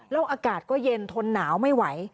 แล้วอากาศก็เย็นทนหนาวไม่ไหว